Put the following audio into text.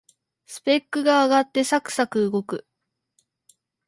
スペックが上がってサクサク動く